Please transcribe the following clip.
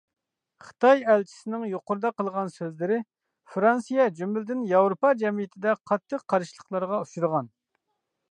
خىتاي ئەلچىسىنىڭ يۇقىرىدا قىلغان سۆزلىرى فىرانسىيە جۈملىدىن ياۋروپا جەمئىيىتىدە قاتتىق قارشىلىقلارغا ئۇچرىغان.